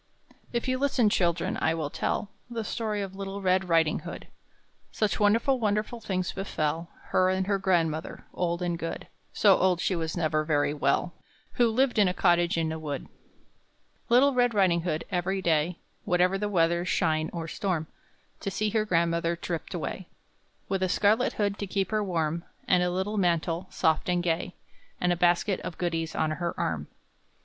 If you listen, children, I will tell The story of little Red Riding hood: Such wonderful, wonderful things befell Her and her grandmother, old and good (So old she was never very well), Who lived in a cottage in a wood. Little Red Riding hood, every day, Whatever the weather, shine or storm, To see her grandmother tripped away, With a scarlet hood to keep her warm, And a little mantle, soft and gay, And a basket of goodies on her arm.